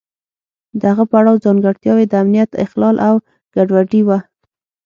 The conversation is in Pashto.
د هغه پړاو ځانګړتیاوې د امنیت اخلال او ګډوډي وه.